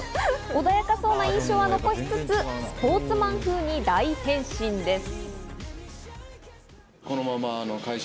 穏やかそうな印象は残しつつスポーツマン風に大変身です。